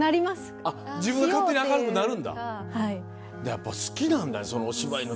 やっぱ好きなんだお芝居の現場が。